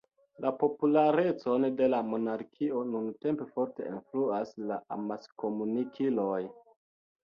La popularecon de la monarkio nuntempe forte influas la amaskomunikiloj.